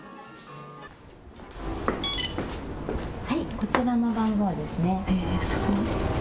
こちらの番号ですね。